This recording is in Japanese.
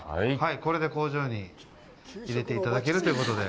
これで工場に入れていただけるということで。